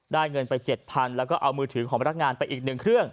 ได้เงินไป๗๐๐๐บาทแล้วก็เอามือถือของพนักงานไปอีกหนึ่งเครื่อง